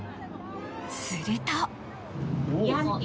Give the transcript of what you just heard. すると。